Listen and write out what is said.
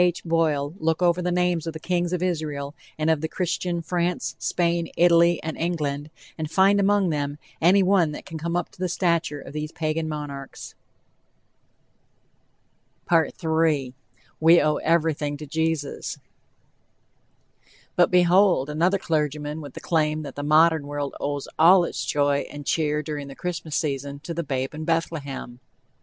H. Boyle look over the names of the kings of Israel and of Christian France, Spain, Italy and England, and find among them any one that can come up to the stature of these Pagan monarchs. "WE OWE EVERYTHING TO JESUS" But, behold! another clergyman with the claim that the modern world owes all its joy and cheer, during the Christmas season, "to the babe in Bethlehem."